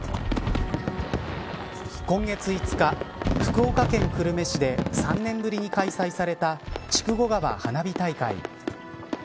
今月５日福岡県久留米市で３年ぶりに開催された筑後川花火大会。